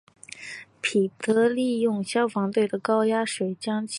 彼得利用消防队的高压水将其制伏。